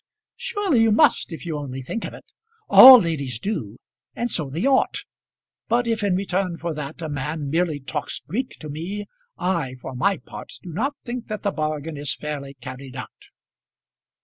"Surely you must, if you only think of it. All ladies do, and so they ought. But if in return for that a man merely talks Greek to me, I, for my part, do not think that the bargain is fairly carried out."